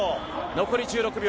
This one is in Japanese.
残り１６秒。